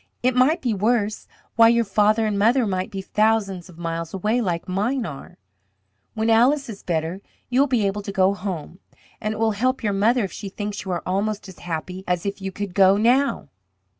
"It might be worse. Why, your father and mother might be thousands of miles away, like mine are. When Alice is better, you will be able to go home. And it will help your mother if she thinks you are almost as happy as if you could go now."